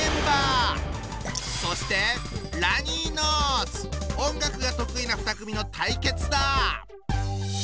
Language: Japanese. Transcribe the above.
そして音楽が得意な２組の対決だ！